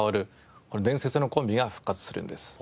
この伝説のコンビが復活するんです。